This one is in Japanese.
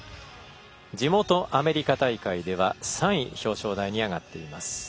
地元アメリカ大会では３位表彰台に上がっています。